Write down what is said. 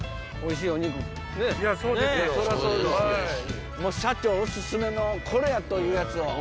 そうですよ。社長おすすめのこれや！というやつを。